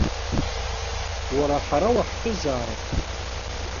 Уара ҳара уаҳтәызаап.